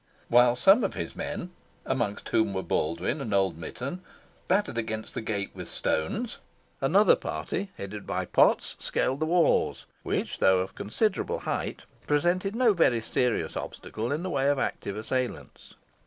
While some of his men, amongst whom were Baldwyn and old Mitton, battered against the gate with stones, another party, headed by Potts, scaled the walls, which, though of considerable height, presented no very serious obstacles in the way of active assailants.